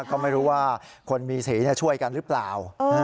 ก็ไม่รู้ว่าคนมีสีช่วยกันหรือเปล่า